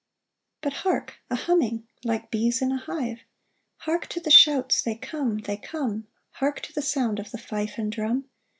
But hark ! a humming, like bees in a hive ; Hark to the shouts —" They come ! they come !" Hark to the sound of the fife and drum